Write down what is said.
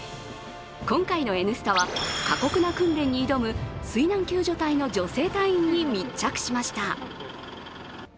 今回の「Ｎスタ」は、過酷な訓練に挑む水難救助隊の女性隊員に密着しました。